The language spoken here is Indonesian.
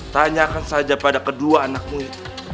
tanyakan saja pada kedua anakmu